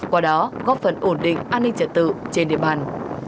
qua đó góp phần ổn định an ninh trật tự trên địa bàn